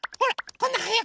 こんなはやく。